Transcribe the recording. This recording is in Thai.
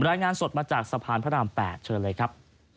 รายงานสดมาจากสะพานพระราม๘เชิญเลยครับ